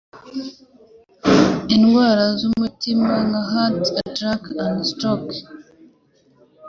Indwara z'umutima nka heart attack na stroke